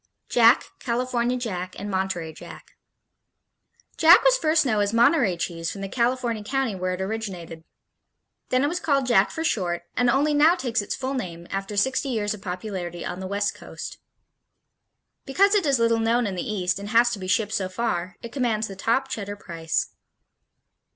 Jack, California Jack and Monterey Jack Jack was first known as Monterey cheese from the California county where it originated. Then it was called Jack for short, and only now takes its full name after sixty years of popularity on the West Coast. Because it is little known in the East and has to be shipped so far, it commands the top Cheddar price.